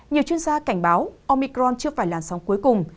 nhiều chuyên gia cảnh báo omicron chưa phải làn sóng cuối cùng